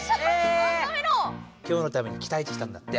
今日のためにきたえてきたんだって。